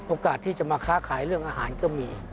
โอกาสที่จะมาค้าขายเรื่องอาหารก็มี